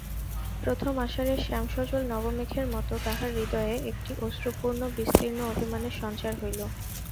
প্রথম আষাঢ়ের শ্যামসজল নবমেঘের মতো তাহার হৃদয়ে একটি অশ্রুপূর্ণ বিস্তীর্ণ অভিমানের সঞ্চার হইল।